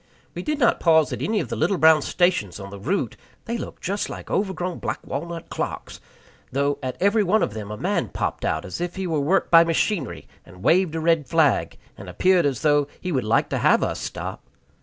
We did not pause at any of the little brown stations on the route (they looked just like overgrown black walnut clocks), though at every one of them a man popped out as if he were worked by machinery, and waved a red flag, and appeared as though he would like to have us stop.